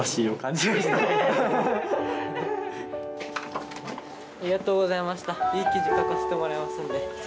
いい記事書かせてもらいますんで失礼します。